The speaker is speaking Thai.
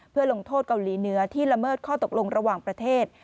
เพื่อลงโทษเกาหลีเหนือที่ละเมิดข้อตกลงระหว่างประเทศ